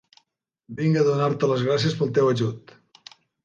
Vinc a donar-te les gràcies pel teu ajut.